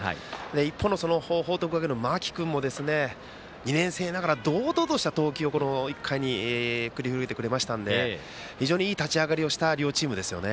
一方の報徳学園の間木君も２年生ながら堂々とした投球を１回に繰り広げてくれましたので非常に、いい立ち上がりをした両チームですね。